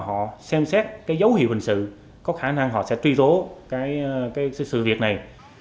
họ xem xét cái dấu hiệu hình sự có khả năng họ sẽ truy tố cái sự việc này